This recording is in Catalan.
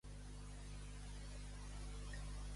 Qui eren Haliart i Coró?